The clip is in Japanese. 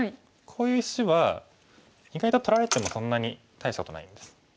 こういう石は意外と取られてもそんなに大したことないんです。